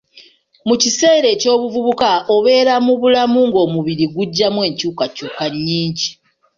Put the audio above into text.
Mu kiseera eky'obuvubuka obeera mu bulamu ng'omubiri gujjamu enkyukakyuka nnyingi.